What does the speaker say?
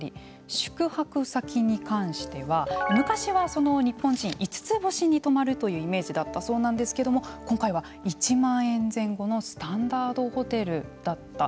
宿泊先に関しては昔は日本人五つ星に泊まるというイメージだったそうなんですが今回は、１万円前後のスタンダードホテルだった。